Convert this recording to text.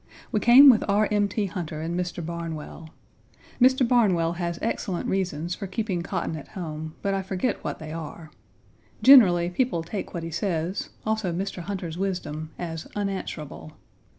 We came with R. M. T. Hunter and Mr. Barnwell. Mr. Barnwell has excellent reasons for keeping cotton at home, but I forget what they are. Generally, people take what he says, also Mr. Hunter's wisdom, as unanswerable.